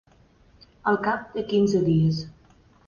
Al cap de quinze dies.